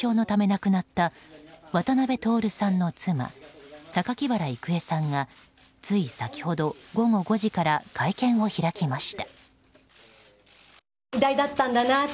先週月曜日に敗血症のため亡くなった渡辺徹さんの妻・榊原郁恵さんがつい先ほど、午後５時から会見を開きました。